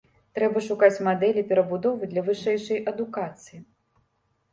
Трэба шукаць мадэлі перабудовы для вышэйшай адукацыі.